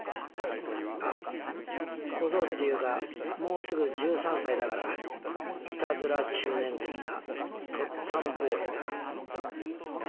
あ小僧っていうかもうすぐ１３歳だからいたずら中年的なとっつぁん坊やだ。